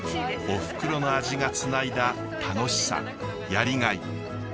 おふくろの味がつないだ楽しさやりがい。